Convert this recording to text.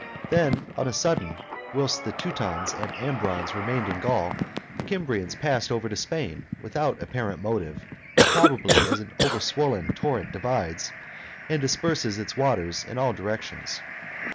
Then, on a sudden, whilst the Teutons and Ambrons remained in Gaul, the Kymrians passed over to Spain without apparent motive, and probably as an overswollen torrent divides, and disperses its waters in all directions.